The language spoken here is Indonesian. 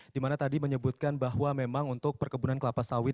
dimana tadi menyebutkan bahwa memang untuk perkebunan kelapa sawit